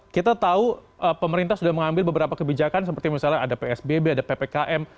kita tahu pemerintah sudah mengambil beberapa kebijakan seperti misalnya ada psbb ada ppkm